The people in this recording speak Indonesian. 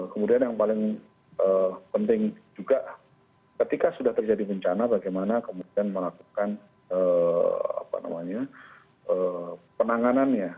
kemudian yang paling penting juga ketika sudah terjadi bencana bagaimana kemudian melakukan penanganannya